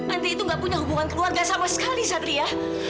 andri itu gak punya hubungan keluarga sama sekali satria